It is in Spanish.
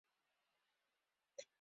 Fue reemplazado por Vince Cable.